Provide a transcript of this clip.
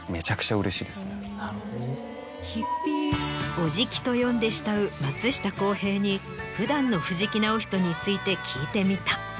オジキと呼んで慕う松下洸平に普段の藤木直人について聞いてみた。